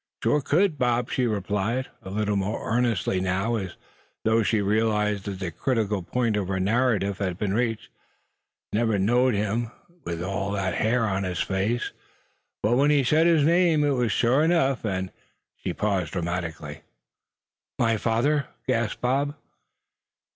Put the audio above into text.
"He shore cud, Bob," she replied, a little more earnestly now, as though she realized that the critical point of her narrative had been reached. "I never'd a knowed him, wid all ther hair on his face; but when he says his name it was shore enuff " and she paused dramatically. "My father?" gasped Bob.